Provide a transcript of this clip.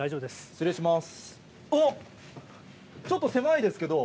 失礼します。